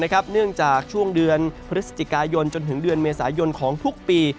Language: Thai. เนื่องจากช่วงเดือนพฤศจิกายนจนถึงเดือนเมษายนของทุกปี